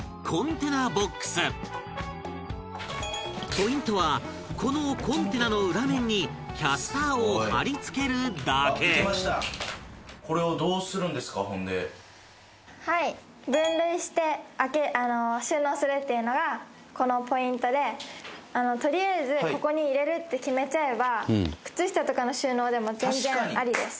ポイントはこのコンテナの裏面にキャスターを貼り付けるだけ分類して、収納するっていうのがこのポイントでとりあえず、ここに入れるって決めちゃえば靴下とかの収納でも全然ありです。